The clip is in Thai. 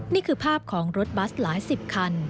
นี่คือภาพของรถบัสหลายสิบคัน